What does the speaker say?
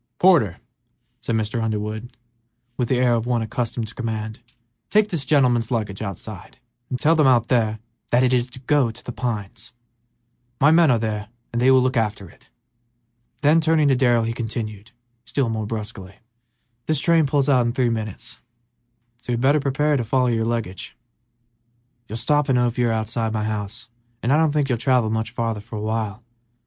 "Porter," said Mr. Underwood, with the air of one accustomed to command, "take this gentleman's luggage outside, and tell them out there that it is to go to 'The Pines;' my men are there and they will look after it;" then, turning to Darrell, he continued, still more brusquely: "This train pulls out in three minutes, so you had better prepare to follow your luggage. You don't stop in Ophir outside of my house, and I don't think you'll travel much farther for a while.